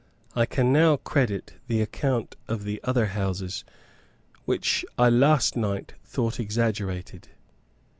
I can now credit the account of the other houses, which I last night thought exaggerated.